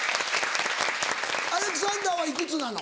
アレクサンダーは幾つなの？